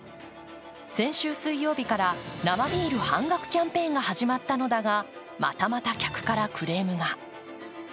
先週水曜日から生ビール半額キャンペーンが始まったのだがまたまた客からクレームが。